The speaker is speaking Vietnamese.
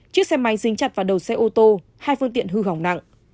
chiếc xe máy dính chặt vào đầu xe ô tô hai phương tiện hư hỏng nặng